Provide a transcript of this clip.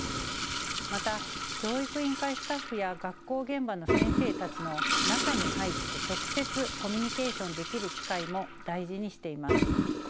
また教育委員会スタッフや学校現場の先生たちの中に入って直接コミュニケーションできる機会も大事にしています。